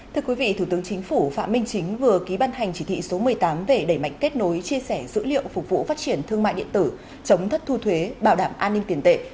thưa quý vị thủ tướng chính phủ phạm minh chính vừa ký ban hành chỉ thị số một mươi tám về đẩy mạnh kết nối chia sẻ dữ liệu phục vụ phát triển thương mại điện tử chống thất thu thuế bảo đảm an ninh tiền tệ